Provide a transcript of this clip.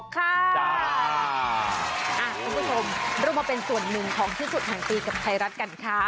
คุณผู้ชมเรามาเป็นส่วนหนึ่งของที่สุดแห่งปีกับไทยรัฐกันค่ะ